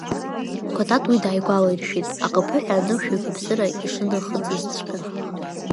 Кәатат уи дааигәалаиршәеит, аҟыԥыҳәа анышәеиқәыԥсара ишынахыҵызҵәҟьа.